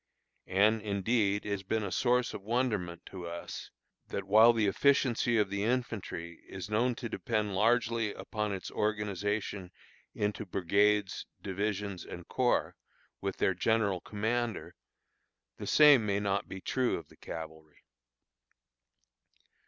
And, indeed, it has been a source of wonderment to us, that while the efficiency of the infantry is known to depend largely upon its organization into brigades, divisions, and corps, with their general commander, the same may not be true of the cavalry.